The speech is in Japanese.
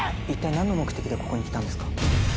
一体何の目的でここに来たんですか？